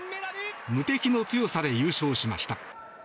無敵の強さで優勝しました。